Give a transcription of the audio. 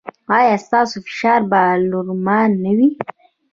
ایا ستاسو فشار به نورمال نه وي؟